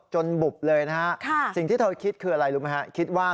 บุบเลยนะฮะสิ่งที่เธอคิดคืออะไรรู้ไหมฮะคิดว่า